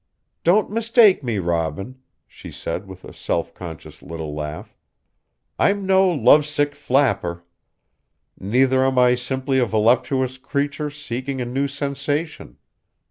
"Don't mistake me, Robin," she said with a self conscious little laugh. "I'm no lovesick flapper. Neither am I simply a voluptuous creature seeking a new sensation.